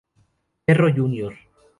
Perro Jr.